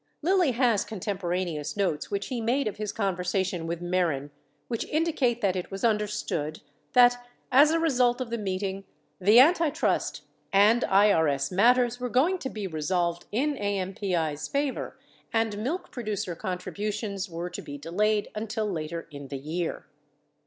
Lilly lias contemporaneous notes which he made of his conversation with Mehren which indicate that it was understood that, as a result of the meeting, the antitrust and IRS matters were going to be resolved in AMPI's favor and milk producer contributions were to be delayed until later in the year.